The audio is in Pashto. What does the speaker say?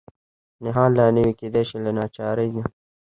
نښان لا نه وي، کېدای شي له ناچارۍ نه.